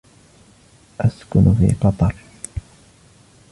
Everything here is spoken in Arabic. أسكن في قطر.